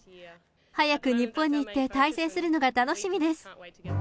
早く日本に行って対戦するのが楽しみです。